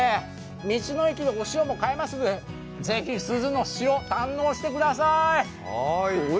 道の駅でお塩も買えますのでぜひ珠洲の塩、堪能してください。